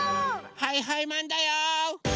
はいはいマンだよ！